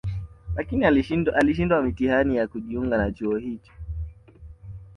Lakini alishindwa mitihani ya kujiunga na chuo hicho